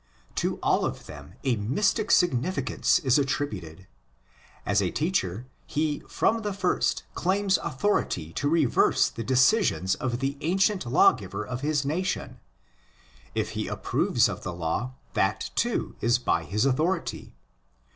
To all of them a mystic signi ficance is attributed. Asa teacher, he from the first claims authority to reverse the decisions of the ancient lawgiver of his nation: if he approves of the law, that, too, is by his authority.